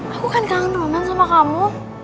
aku kan kangen roman sama kamu